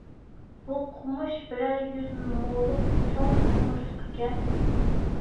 بۇ قومۇش بىرەر يۈز مولۇق چوڭ قومۇشلۇق ئىكەن.